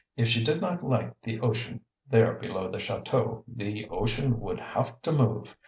If she did not like the ocean there below the chateau, the ocean would have to move!